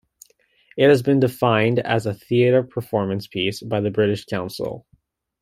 It has been defined as a theatre performance piece by the British Council.